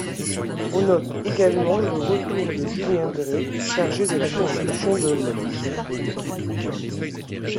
On note également le retour de Julien Dray, chargé de la construction de l'.